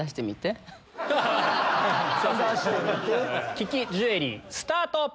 利きジュエリースタート！